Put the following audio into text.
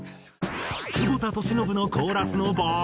久保田利伸のコーラスの場合。